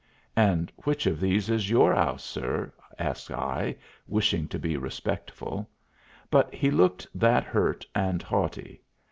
"And which of these is your 'ouse, sir?" asks I, wishing to be respectful. But he looked that hurt and haughty.